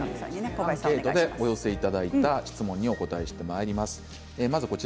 アンケートでお寄せいただいた質問にお答えしてまいります。